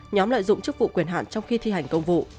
nhóm lợi dụng chức vụ quyền hạn trong khi thi hành công vụ